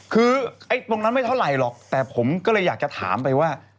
คือตรงนั้นไม่เท่าไหร่หรอกแต่ผมก็เลยอยากจะถามไปว่า